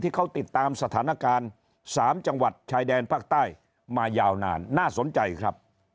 เขาติดตามสถานการณ์๓จังหวัดชายแดนภาคใต้มายาวนานน่าสนใจครับ